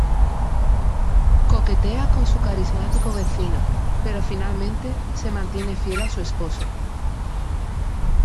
Coquetea con su carismático vecino, pero finalmente se mantiene fiel a su esposo.